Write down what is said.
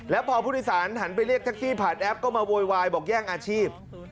แล้วพอผู้โดยสารหันไปเรียกแท็กซี่ผ่านแอปก็มาโวยวายบอกแย่งอาชีพ